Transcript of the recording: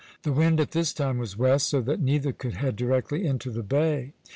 The wind at this time was west, so that neither could head directly into the bay.